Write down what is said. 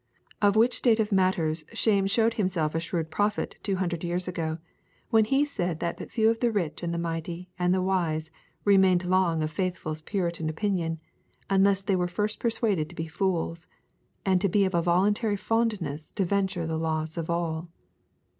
Of which state of matters Shame showed himself a shrewd prophet two hundred years ago when he said that but few of the rich and the mighty and the wise remained long of Faithful's Puritan opinion unless they were first persuaded to be fools, and to be of a voluntary fondness to venture the loss of all.